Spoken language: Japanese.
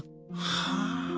はあ。